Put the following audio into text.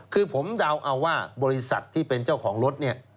คือผมเดาเอาว่าบริษัทที่เป็นเจ้าของรถเนี่ย